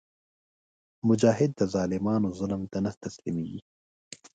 مجاهد د ظالمانو ظلم ته نه تسلیمیږي.